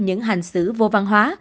những hành xử vô văn hóa